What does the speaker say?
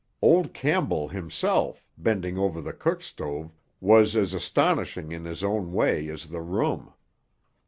Old Campbell himself, bending over the cook stove, was as astonishing in his own way as the room.